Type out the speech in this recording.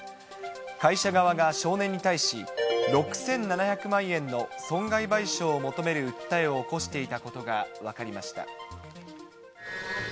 会社側が少年に対し、６７００万円の損害賠償を求める訴えを起こしていたことが分かりました。